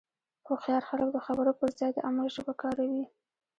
هوښیار خلک د خبرو پر ځای د عمل ژبه کاروي.